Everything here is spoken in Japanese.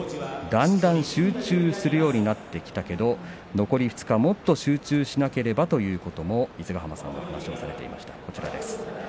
だんだん集中するようになってきたけど残り２日、もっと集中しなければということも伊勢ヶ濱さんはお話をしていました。